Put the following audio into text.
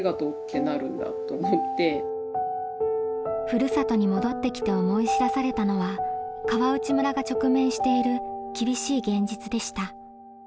ふるさとに戻ってきて思い知らされたのは川内村が直面している厳しい現実でした。